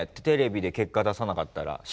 テレビで結果出さなかったら。